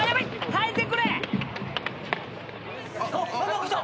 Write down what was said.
耐えてくれ！来た！